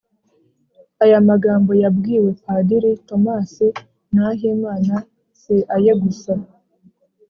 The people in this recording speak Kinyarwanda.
Aya magambo yabwiwe Padiri Thomas Nahimana, si aye gusa.